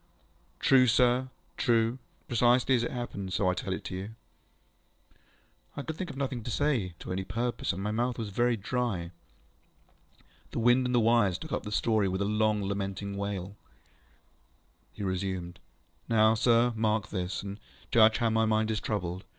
ŌĆ£True, sir. True. Precisely as it happened, so I tell it you. ŌĆØ I could think of nothing to say, to any purpose, and my mouth was very dry. The wind and the wires took up the story with a long lamenting wail. He resumed. ŌĆ£Now, sir, mark this, and judge how my mind is troubled.